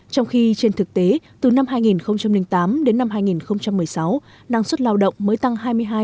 trong khi trên thực tế từ năm hai nghìn tám đến năm hai nghìn một mươi sáu năng suất lao động mới tăng hai mươi hai năm